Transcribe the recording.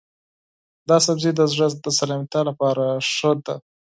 دا سبزی د زړه د سلامتیا لپاره ښه دی.